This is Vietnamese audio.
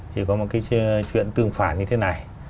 thì có một cái chuyện tương phản như thế này